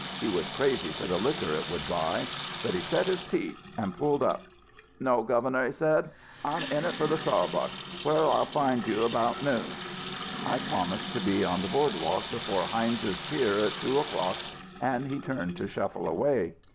He was crazy for the liquor it would buy. But he set his teeth and pulled up. "'No, Governor,' he said, 'I'm in it for the sawbuck. Where'll I find you about noon?' "I promised to be on the Boardwalk before Heinz's Pier at two o clock and he turned to shuffle away.